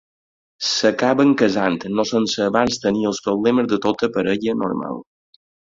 S'acaben casant no sense abans tenir els problemes de tota parella normal.